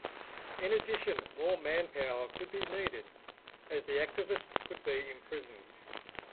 In addition, more manpower could be needed as the activists could be imprisoned.